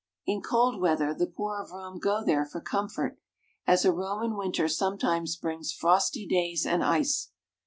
In cold weather the poor of Rome go there for comfort, as a Roman winter sometimes brings frosty days and ice.